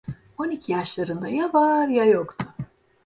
On iki yaşlarında ya var, ya yoktu.